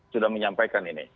sudah menyampaikan ini